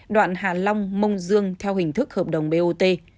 đoạn hà long mông dương theo hình thức hợp đồng bot